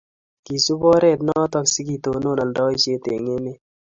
kesup oret notok si ketonon aldaishet eng' emet